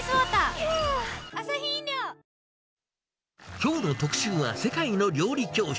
きょうの特集は世界の料理教室。